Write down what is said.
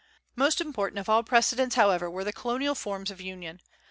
Most important of all precedents, however, were the colonial forms of union.